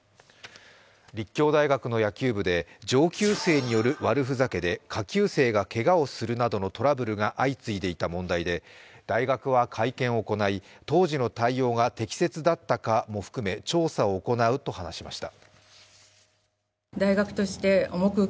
立教大学の野球部で上級生による悪ふざけで下級生がけがをするなどのトラブルが相次いでいた問題で大学は会見を行い、当時の対応が適切だったかも含め調査を行うと話しました。